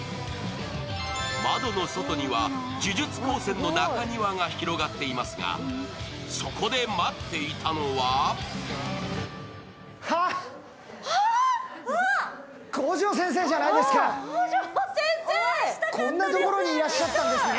窓の外には呪術高専の中庭が広がっていますが、そこで待っていたのはこんなところにいらっしゃったんですね。